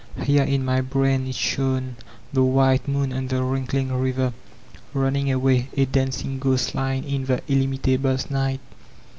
Here in my brain it shone, the white moon on the wrinkling river, running away, a dancing ghost line in the illimitable night.